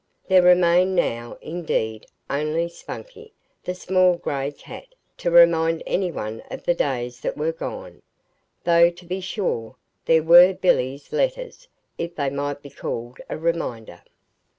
There remained now, indeed, only Spunkie, the small gray cat, to remind any one of the days that were gone though, to be sure, there were Billy's letters, if they might be called a reminder.